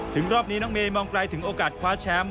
รอบนี้น้องเมย์มองไกลถึงโอกาสคว้าแชมป์